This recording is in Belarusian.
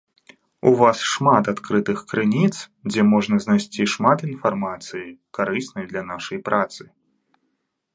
У вас шмат адкрытых крыніц, дзе можна знайсці шмат інфармацыі, карыснай для нашай працы.